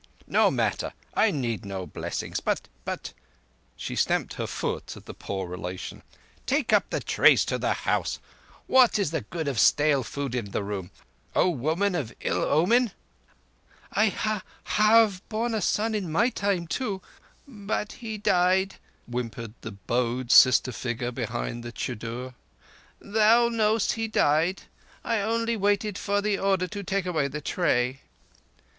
No matter. I need no blessings, but—but—" She stamped her foot at the poor relation. "Take up the trays to the house. What is the good of stale food in the room, O woman of ill omen?" "I ha—have borne a son in my time too, but he died," whimpered the bowed sister figure behind the chudder. "Thou knowest he died! I only waited for the order to take away the tray."